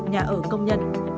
nhà ở công nhân